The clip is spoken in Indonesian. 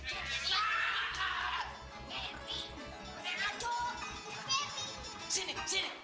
eh mak ini iman